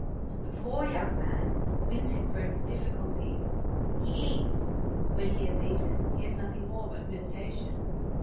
The poor young man wins his bread with difficulty; he eats; when he has eaten, he has nothing more but meditation.